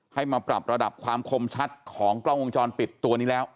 ให้มาปรับระดับความคมชัดของกล้องวงจรปิดตัวนี้แล้ว